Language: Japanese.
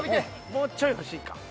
もうちょい欲しいか。